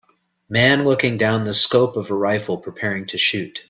Man looking down the scope of a rifle preparing to shoot.